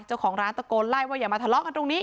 เจ้าของร้านตะโกนไล่ว่าอย่ามาทะเลาะกันตรงนี้